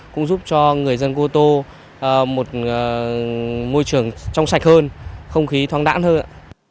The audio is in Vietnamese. cũng giúp cho người dân cô tô một môi trường trong sạch hơn không khí thoáng đẳng hơn